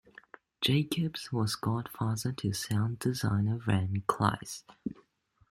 Jacobs was godfather to sound designer Ren Klyce.